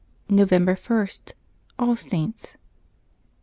'^ November i.— ALL SAINTS.